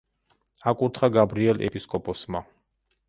აკურთხა გაბრიელ ეპისკოპოსმა.